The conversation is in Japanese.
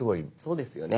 そうですよね。